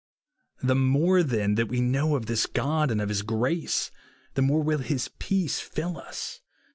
The more, then, that w^e know of this God and of his grace, the more will his peace fill i;s.